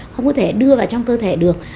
không có thể đưa vào trong cơ thể được